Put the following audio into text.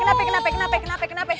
kenapa kenapa kenapa kenapa kenapa